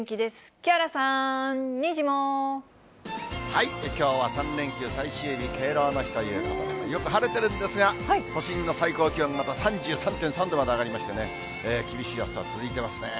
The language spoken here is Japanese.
木原さん、きょうは３連休最終日、敬老の日ということで、よく晴れてるんですが、都心の最高気温、また３３．３度まで上がりましてね、厳しい暑さが続いてますね。